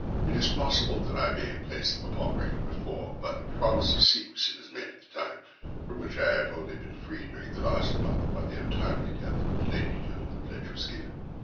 It is possible that I might have placed them upon record before, but a promise of secrecy was made at the time, from which I have only been freed during the last month by the untimely death of the lady to whom the pledge was given.